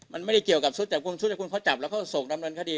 มันไม่ได้เกี่ยวกับชุดจับกลุ่มชุดที่คุณเขาจับแล้วเขาส่งดำเนินคดี